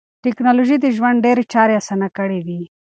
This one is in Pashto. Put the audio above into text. ټکنالوژي د ژوند ډېری چارې اسانه کړې دي.